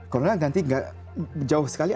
karena nanti jauh sekali